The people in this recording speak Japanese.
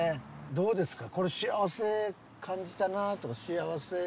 どうですか？